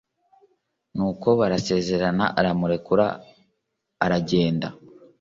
Nuko barasezerana, aramurekura arajyenda